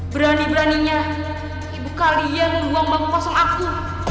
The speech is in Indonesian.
berani beraninya ibu kalian luang bangku langsung aku